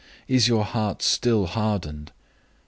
Is your heart still hardened?